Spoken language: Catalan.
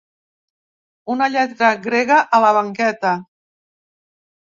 Una lletra grega a la banqueta.